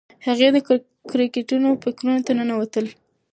هغې د کرکټرونو فکرونو ته ننوتله.